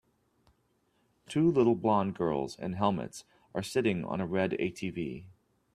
Two little blond girls in helmets are sitting on a red ATV.